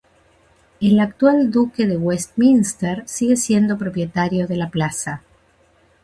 El actual Duque de Westminster sigue siendo propietario de la plaza.